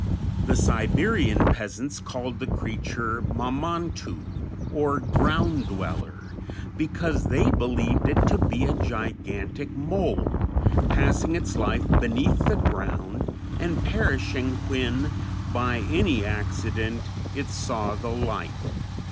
The Siberian peasants called the creature "Mamantu," or "ground dweller," because they believed it to be a gigantic mole, passing its life beneath the ground and perishing when by any accident it saw the light.